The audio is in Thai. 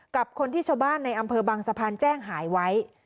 กับคนที่ชาวบ้านในอำเภอบางสะพานแจ้งหายไว้